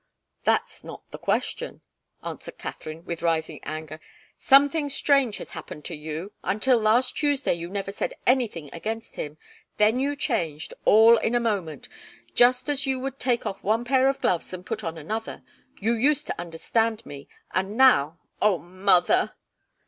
"That's not the question," answered Katharine, with rising anger. "Something strange has happened to you. Until last Tuesday you never said anything against him. Then you changed, all in a moment just as you would take off one pair of gloves and put on another. You used to understand me and now oh, mother!"